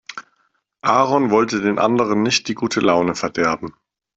Aaron wollte den anderen nicht die gute Laune verderben.